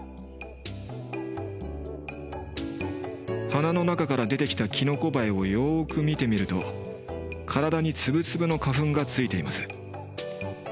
花の中から出てきたキノコバエをよく見てみると体に粒々の花粉がついています。